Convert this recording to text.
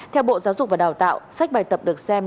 theo bộ giáo dục và đào tạo sách bài tập được xem